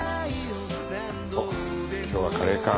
おっ今日はカレーか。